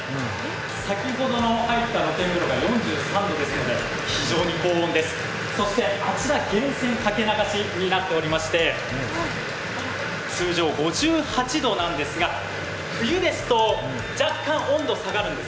先ほど入った露天風呂が４３度ですので非常に高温です、そしてあちら源泉掛け流しになっておりまして通常５８度なんですが、冬ですと若干温度が下がるんです。